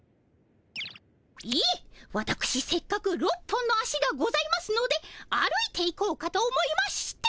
いえわたくしせっかく６本の足がございますので歩いていこうかと思いまして。